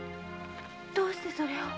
どうしてそれを？